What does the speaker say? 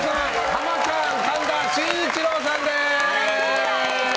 ハマカーン、神田伸一郎さんです。